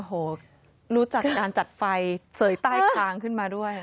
โอ้โหรู้จักการจัดไฟเสยใต้คางขึ้นมาด้วย